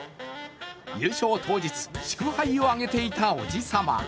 優勝当日、祝杯をあげていたおじさま。